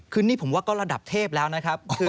คือนี่ผมว่าก็ระดับเทพแล้วนะครับ